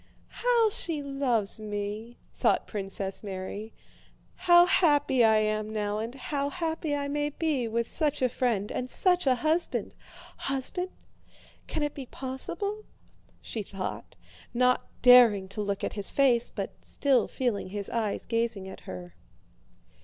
"How she loves me!" thought Princess Mary. "How happy I am now, and how happy I may be with such a friend and such a husband! Husband? Can it be possible?" she thought, not daring to look at his face, but still feeling his eyes gazing at her.